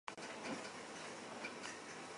Bere ibilbidean errepidean ez zuen garaipenik lortu.